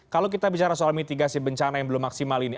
kalau kita bicara soal mitigasi bencana yang belum maksimal ini